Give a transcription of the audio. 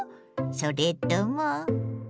それとも。